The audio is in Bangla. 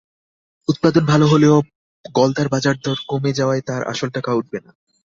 উৎপাদন ভালো হলেও গলদার বাজারদর কমে যাওয়ায় তাঁর আসল টাকাও উঠবে না।